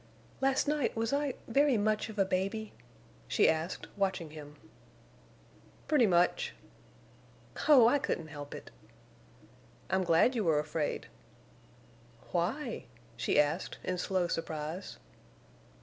"Last night was I—very much of a baby?" she asked, watching him. "Pretty much." "Oh, I couldn't help it!" "I'm glad you were afraid." "Why?" she asked, in slow surprise.